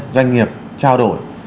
doanh nghiệp trao đổi